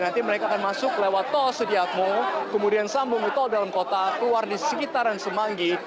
nanti mereka akan masuk lewat tol sudiatmo kemudian sambung di tol dalam kota keluar di sekitaran semanggi